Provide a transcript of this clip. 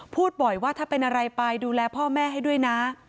พูดบ่อยว่าถ้าเป็นอะไรไปดูแลพ่อแม่ให้ด้วยนะ